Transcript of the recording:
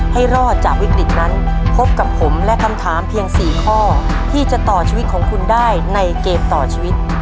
ให้รอดจากวิกฤตนั้นพบกับผมและคำถามเพียง๔ข้อที่จะต่อชีวิตของคุณได้ในเกมต่อชีวิต